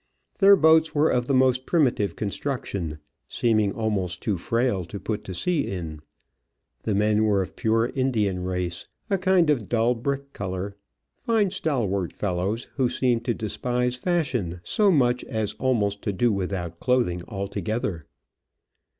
Their boats were of the most primitive construction, seeming almost too frail to put to sea in. The men were of pure Indian race, a kind of dull brick colour, fine stalwart fellows, who seemed to despise fashion so much as almost to do without clothing altogether.